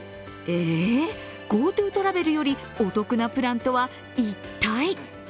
え、ＧｏＴｏトラベルよりお得なプランとは一体？